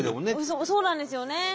そうなんですよね。